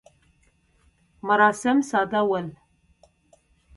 مراسم ساده ول.